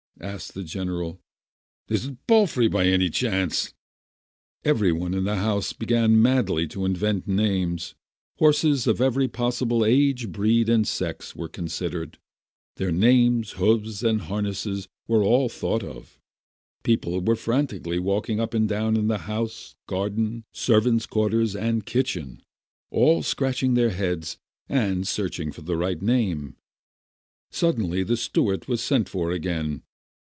asked the general, "Is it Palfrey, by any chance?" Every one in the house began madly to invent names. Horses of every possible age, breed, and sex were considered; their names, hoofs, and harness were all thought of. People were frantically walking up and down in the house, garden, servants 9 quarters, and kitchen, all scratching their heads, and searching for the right name. Suddenly the steward was sent for again.